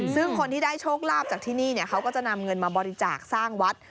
ซึ่งคนที่ได้โชคลาภจากที่นี่เขาก็จะนำเงินมาบริจาคสร้างวัด